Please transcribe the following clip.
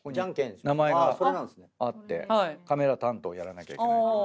名前があってカメラ担当をやらなきゃいけない。